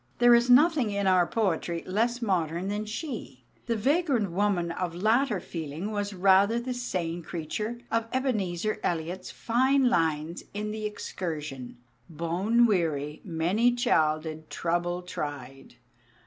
There is nothing in our poetry less modern than she. The vagrant woman of later feeling was rather the sane creature of Ebenezer Elliott's fine lines in "The Excursion" Bone weary, many childed, trouble tried!